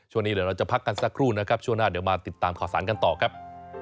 ช่วงนี้เดี๋ยวเราจะพักกันสักครู่นะครับช่วงหน้าเดี๋ยวมาติดตามข่าวสารกันต่อครับ